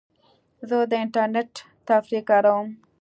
زه د انټرنیټ تفریح کاروم.